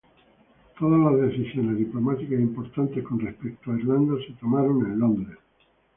Todas las decisiones diplomáticas importantes con respecto a Irlanda se tomaron en Londres.